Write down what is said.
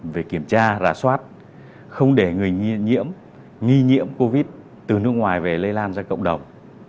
về kiểm tra ra soát không để người nghi nhiễm covid từ nước ngoài về lây lan ra cộng đồng